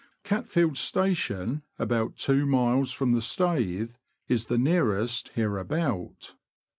Catfield Station, about two miles from the Staithe, is the nearest hereabout.